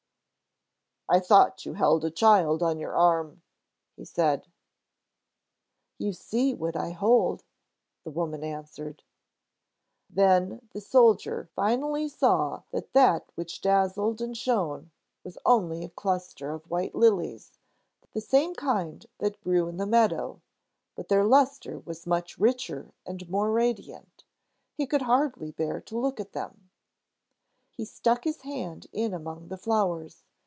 "I thought you held a child on your arm," he said. "You see what I hold," the woman answered. Then the soldier finally saw that that which dazzled and shone was only a cluster of white lilies, the same kind that grew in the meadow; but their luster was much richer and more radiant. He could hardly bear to look at them. He stuck his hand in among the flowers.